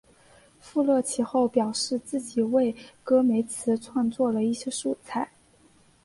富勒其后表示自己为戈梅兹创作了一些素材。